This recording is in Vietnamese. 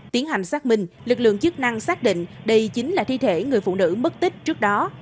tiến hành xác minh lực lượng chức năng xác định đây chính là thi thể người phụ nữ mất tích trước đó